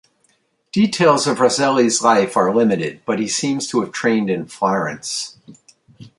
Details of Rosselli's life are limited, but he seems to have trained in Florence.